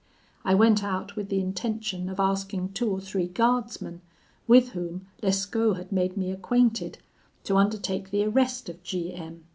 I went out with the intention of asking two or three guardsmen, with whom Lescaut had made me acquainted, to undertake the arrest of G M